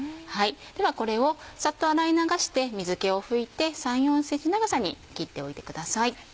ではこれをサッと洗い流して水気を拭いて３４ｃｍ長さに切っておいてください。